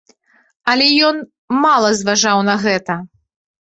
Але ён мала зважаў на гэта.